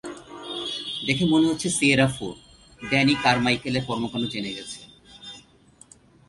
দেখে মনে হচ্ছে সিয়েরা ফোর, ড্যানি কারমাইকেলের কর্মকান্ড জেনে গেছে।